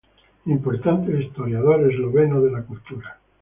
Importante historiador esloveno de la cultura.